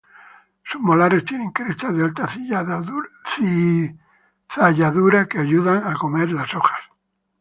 Sus molares tienen crestas de alta cizalladura, que ayudan a comer las hojas.